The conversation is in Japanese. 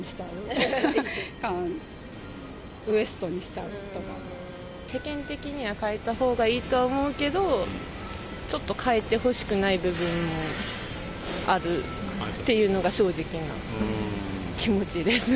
もう∞にしちゃうとか、世間的には変えたほうがいいとは思うけど、ちょっと変えてほしくない部分もあるっていうのが正直な気持ちです。